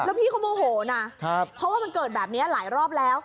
พี่เขาโมโหนะเพราะว่ามันเกิดแบบนี้หลายรอบแล้ว